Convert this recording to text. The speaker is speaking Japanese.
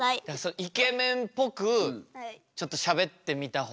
イケメンっぽくちょっとしゃべってみた方がいいかもしれない。